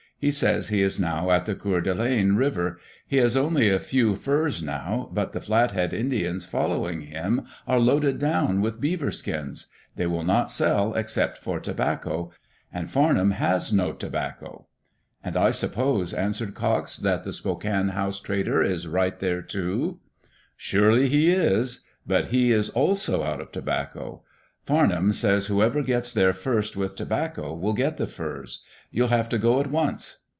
He says he is now at the Coeur d'Alene River. He has only a few furs now, but the Flathead Indians following him are loaded down with beaver skins. They will not sell except for tobacco — and Farnham has no tobacco. "And I suppose," answered Cox, "that the Spokane House trader is right there, too." Digitized by VjOOQ IC AN EXCITING HORSE RACE "Surely he is — but he is also out of tobacco. Farnham says whoever gets there first with tobacco will get the furs. You'll have to go at once."